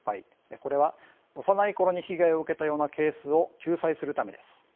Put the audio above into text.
これは、幼いころに被害を受けたようなケースを救済するためです。